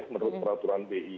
menurut peraturan bi